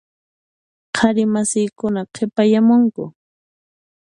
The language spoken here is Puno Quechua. Qhari masiykuna qhipayamunku.